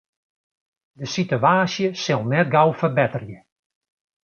De sitewaasje sil net gau ferbetterje.